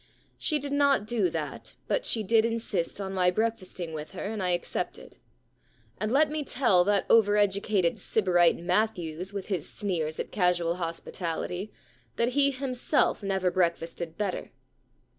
She did not do that, but she did insist on my breakfasting with her, and I accepted. And let me tell that over educated sybarite Matthews, with his sneers at casual hospitality, that he himself never breakfasted better.